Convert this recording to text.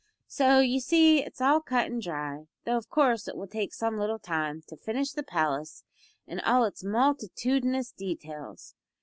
So, you see, it's all cut and dry, though of course it will take some little time to finish the palace in all its multitudinous details.